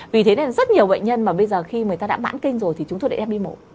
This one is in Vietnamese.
vì thế nên rất nhiều bệnh nhân mà bây giờ khi người ta đã mãn kinh rồi thì chúng tôi đã ép đi mổ